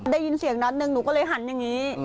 ได้ยินเสียงนัดหนึ่งหนูก็เลยหันอย่างนี้